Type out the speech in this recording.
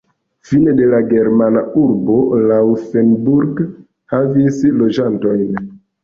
Fine de la germana urbo Laufenburg havis loĝantojn.